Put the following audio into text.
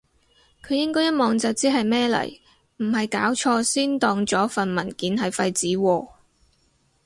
佢應該一望就知係咩嚟，唔係搞錯先當咗份文件係廢紙喎？